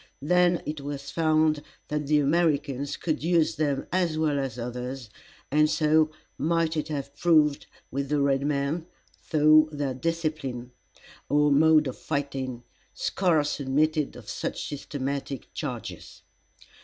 Then it was found that the Americans could use them as well as others, and so might it have proved with the red men, though their discipline, or mode of fighting, scarce admitted of such systematic charges.